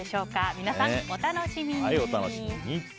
皆さん、お楽しみに。